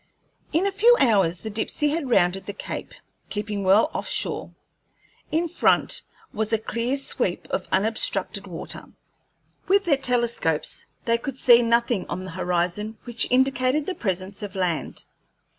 In a few hours the Dipsey had rounded the cape, keeping well off shore. In front was a clear sweep of unobstructed water. With their telescopes they could see nothing on the horizon which indicated the presence of land.